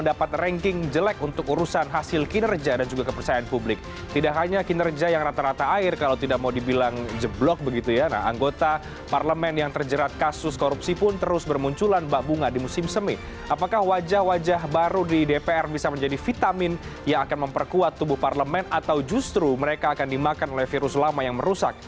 dari vitamin yang akan memperkuat tubuh parlemen atau justru mereka akan dimakan oleh virus lama yang merusak